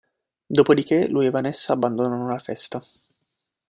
Dopodiché lui e Vanessa abbandonano la festa.